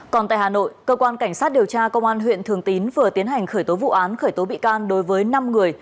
còn tại hà nội cơ quan cảnh sát điều tra công an huyện thường tín vừa tiến hành khởi tố vụ án khởi tố bị can đối với năm người